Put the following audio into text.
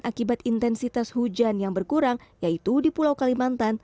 akibat intensitas hujan yang berkurang yaitu di pulau kalimantan